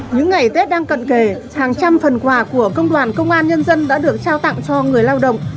những ngày tết đang cận kề hàng trăm phần quà của công đoàn công an nhân dân đã được trao tặng cho người lao động